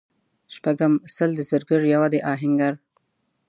شپږم:سل د زرګر یوه د اهنګر